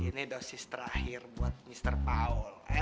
ini dosis terakhir buat mr paul